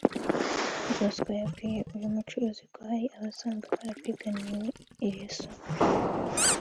Bosco yabwiye uyu mucuruzi ko hari abasanzwe barapiganiwe iri soko